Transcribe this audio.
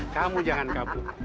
kamu jangan kabur